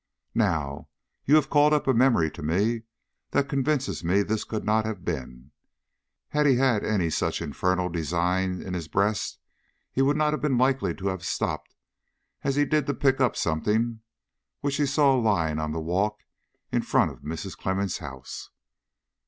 Now, you have called up a memory to me that convinces me this could not have been. Had he had any such infernal design in his breast he would not have been likely to have stopped as he did to pick up something which he saw lying on the walk in front of Mrs. Clemmens' house."